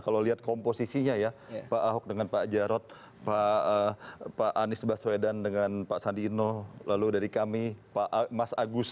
kalau lihat komposisinya ya pak ahok dengan pak jarod pak anies baswedan dengan pak sandi ino lalu dari kami mas agus